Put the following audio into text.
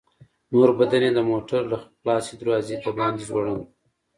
نور بدن يې د موټر له خلاصې دروازې د باندې ځوړند و.